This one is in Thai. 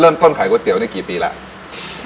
เริ่มต้นขายก๋วยเตี๋ยวนี่กี่ปีแล้ว